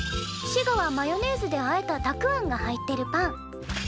滋賀はマヨネーズであえたたくあんが入ってるパン。